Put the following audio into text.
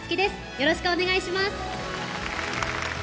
よろしくお願いします。